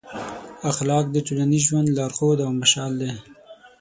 اخلاق د ټولنیز ژوند لارښود او مشال دی.